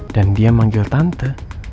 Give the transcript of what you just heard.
dan dia manggil tante